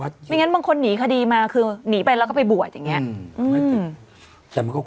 ใช่ไม่งั้นบางคนหนีคดีมาคือหนีไปแล้วก็ไปบวชอย่างเงี้ยอืมแต่มันก็